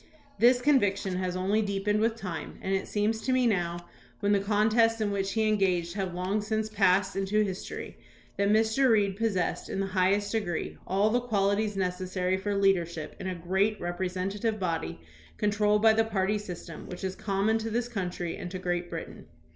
This conviction has only deepened 196 THOMAS BRACKETT REED with time and it seems to me now, when the contests in which he engaged have long since passed into his tory, that Mr. Reed possessed in the highest degree all the qualities necessary for leadership in a great representative body controlled by the party system, which is common to this country and to Great Britain.